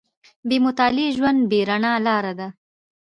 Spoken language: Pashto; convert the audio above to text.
• بې مطالعې ژوند، بې رڼا لاره ده.